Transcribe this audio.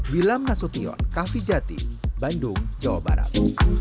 bilam nasution kahvijati bandung jawa barat